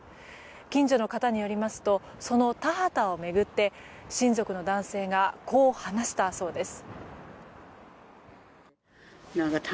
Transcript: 近所の方によりますとその田畑を巡って親族の男性がこう話したそうです。